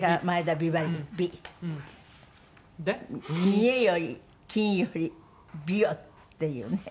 「ミエより金より美を」っていうね。